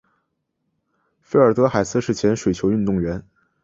费尔德海斯是前水球运动员。